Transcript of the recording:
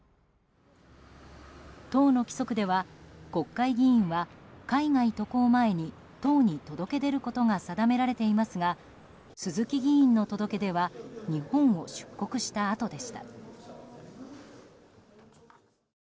党の規則では国会議員は海外渡航前に党に届け出ることが定められていますが鈴木議員の届け出は日本を出国したあとでした。